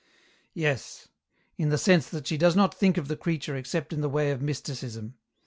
" Yes ; in the sense that she does not think of the creature except in the way of Mysticism.